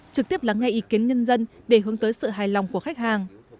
trực tiếp lắng nghe ý kiến nhân dân để hướng tới sự hài lòng của khách hàng